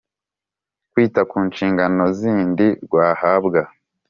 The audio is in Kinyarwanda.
Kwita ku nshingano zindi rwahabwa